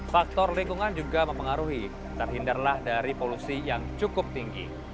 faktor lingkungan juga mempengaruhi terhindarlah dari polusi yang cukup tinggi